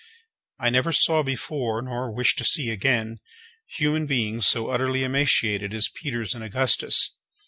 I never saw before, nor wish to see again, human beings so utterly emaciated as Peters and Augustus.